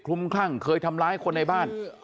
คลุมคลั่งเคยทำร้ายคนในบ้าน